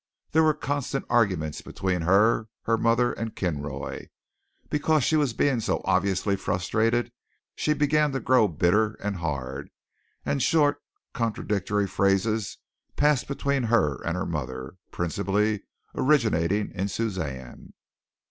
There were constant arguments between her, her mother and Kinroy. Because she was being so obviously frustrated, she began to grow bitter and hard, and short contradictory phrases passed between her and her mother, principally originating in Suzanne.